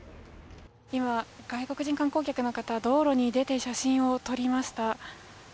今、外国人観光客の方道路に出て写真を撮りました。